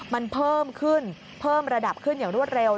มันเพิ่มขึ้นเพิ่มระดับขึ้นอย่างรวดเร็ว